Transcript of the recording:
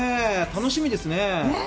楽しみですね。